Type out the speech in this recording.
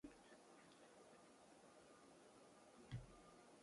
大学生